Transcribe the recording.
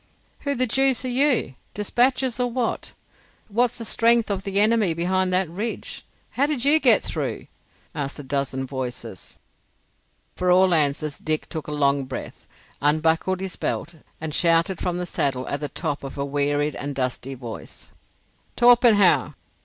"Who the deuce are you? Despatches or what? What's the strength of the enemy behind that ridge? How did you get through?" asked a dozen voices. For all answer Dick took a long breath, unbuckled his belt, and shouted from the saddle at the top of a wearied and dusty voice, "Torpenhow!